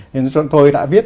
nhưng chúng tôi đã viết